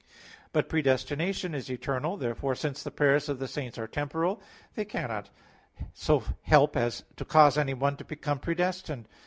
But predestination is eternal. Therefore, since the prayers of the saints are temporal, they cannot so help as to cause anyone to become predestined.